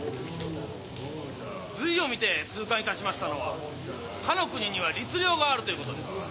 「隋を見て痛感いたしましたのはかの国には律令があるということです。